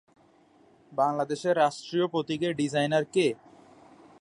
বাংলাদেশের রাষ্ট্রীয় প্রতীকের ডিজাইনার কে?